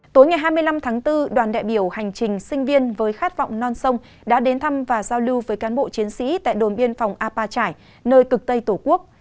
tối ngày hai mươi năm tháng bốn đoàn đại biểu hành trình sinh viên với khát vọng non sông đã đến thăm và giao lưu với cán bộ chiến sĩ tại đồn biên phòng apa trải nơi cực tây tổ quốc